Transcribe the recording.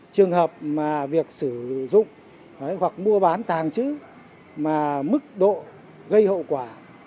trường hợp mà việc sử dụng hoặc mua bán tàng trữ mà mức độ gây hậu quả